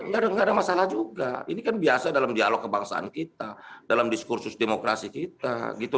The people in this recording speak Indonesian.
ya nggak ada masalah juga ini kan biasa dalam dialog kebangsaan kita dalam diskursus demokrasi kita gitu